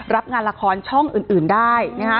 รับงานละครช่องอื่นได้